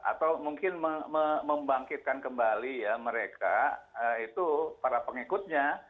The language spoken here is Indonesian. atau mungkin membangkitkan kembali ya mereka itu para pengikutnya